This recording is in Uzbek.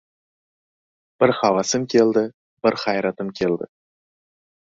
Bir havasim keldi, bir hayratim keldi.